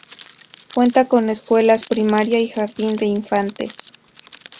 Cuenta con escuelas primarias y jardín de infantes.